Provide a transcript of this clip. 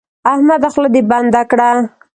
احمده خوله دې بنده کړه.